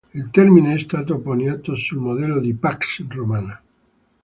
Il termine è stato coniato sul modello di Pax Romana.